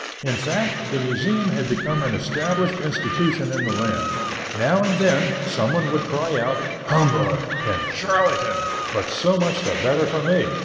In fact, the Museum had become an established institution in the land. Now and then some one would cry out "humbug" and "charlatan," but so much the better for me.